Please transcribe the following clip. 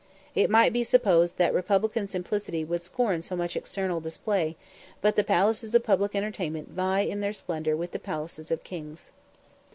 It might be supposed that Republican simplicity would scorn so much external display; but the places of public entertainment vie in their splendour with the palaces of kings.